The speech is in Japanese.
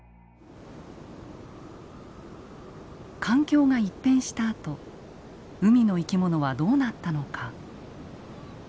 環境が一変したあと海の生き物はどうなったのか。